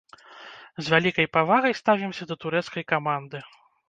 З вялікай павагай ставімся да турэцкай каманды.